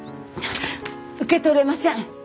受け取れません。